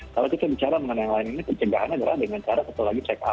kalau kita bicara mengenai yang lain ini pencegahan adalah dengan cara satu lagi check up